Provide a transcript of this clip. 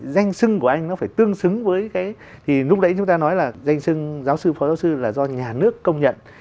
danh sưng của anh nó phải tương xứng với cái thì lúc đấy chúng ta nói là danh sưng giáo sư phó giáo sư là do nhà nước công nhận